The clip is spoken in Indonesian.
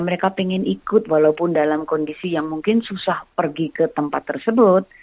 mereka ingin ikut walaupun dalam kondisi yang mungkin susah pergi ke tempat tersebut